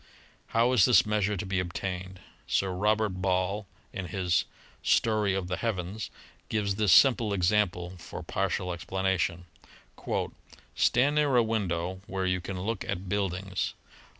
How is this measure to be obtained? Sir Robert Ball in his "Story of the Heavens," gives this simple example for partial explanation: "Stand near a window where you can look at buildings